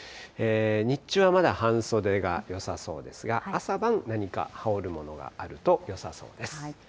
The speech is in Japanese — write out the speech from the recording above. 日中はまだ半袖がよさそうですが、朝晩何か羽織るものがあるとよさそうです。